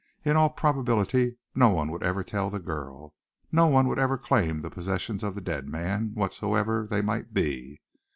In all probability, no one would ever tell the girl. No one would ever claim the possessions of the dead man, whatsoever they might be.